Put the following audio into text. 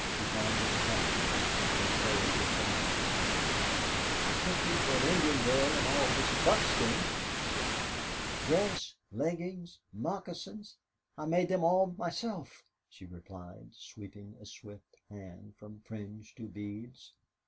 He found his tongue and controlled his glance. "I took you for an Indian girl in all this buckskin," he said. "Dress, leggings, moccasins, I made them all myself," she replied, sweeping a swift hand from fringe to beads.